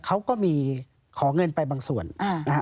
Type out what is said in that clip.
เขาก็มีขอเงินไปบางส่วนนะฮะ